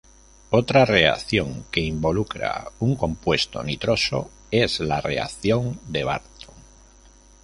Otra reacción que involucra un compuesto nitroso es la reacción de Barton.